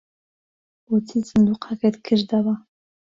بۆچی سندووقەکەت کردەوە؟